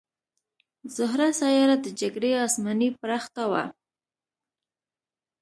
زهره سیاره د جګړې اسماني پرښته وه